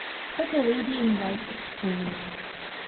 But the lady in white explained.